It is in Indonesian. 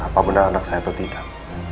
apa benar anak saya atau tidak